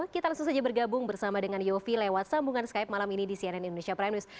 kita langsung saja bergabung bersama dengan yofi lewat sambungan skype malam ini di cnn indonesia prime news